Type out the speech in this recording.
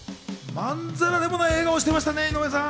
まんざらでもない笑顔してましたね、井上さん。